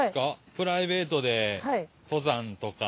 プライベートで登山とか。